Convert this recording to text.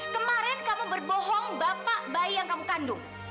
kemarin kamu berbohong bapak bayi yang kamu kandung